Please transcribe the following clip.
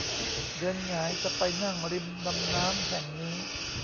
เดือนหงายจะไปนั่งริมลำน้ำแห่งนี้